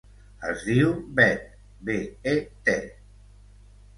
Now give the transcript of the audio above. Es diu Bet: be, e, te.